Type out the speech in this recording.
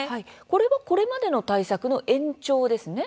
これは、これまでの対策の延長ですね。